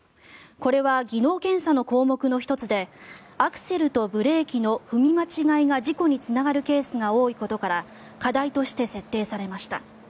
これは技能検査の項目の１つでアクセルとブレーキの踏み間違いが事故につながるケースが多いことから課題として設定されました。